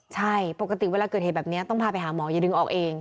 ใช่ปกติเวลาเกิดเหตุแบบนี้ต้องพาไปหาหมออย่าดึงออกเอง